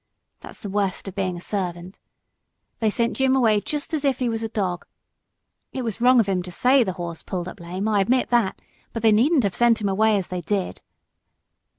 That's the worst of being a servant. They sent Jim away just as if he was a dog. It was wrong of him to say the horse pulled up lame; I admit that, but they needn't have sent him away as they did."